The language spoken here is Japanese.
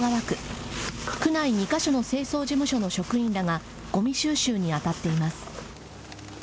区内２か所の清掃事務所の職員らがごみ収集にあたっています。